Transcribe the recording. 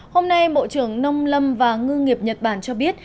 hôm nay bộ trưởng nông lâm và ngư nghiệp nhật bản cho biết